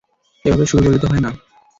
এভাবে শুরু করলে তো হয় না।